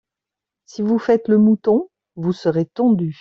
Si vous faites le mouton vous serez tondus.